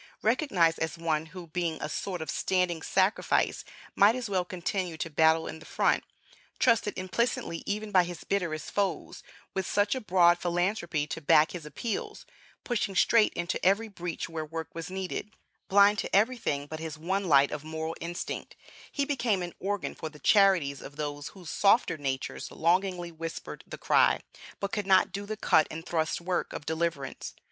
Recognized as one, who, being a sort of standing sacrifice, might as well continue to battle in the front; trusted implicitly even by his bitterest foes; with such a broad philanthropy to back his appeals; pushing straight into every breach where work was needed; blind to everything but his one light of moral instinct; he became an organ for the charities of those whose softer natures longingly whispered the cry, but could not do the cut and thrust work, of deliverance.